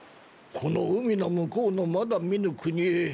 この海の向こうのまだ見ぬ国へ。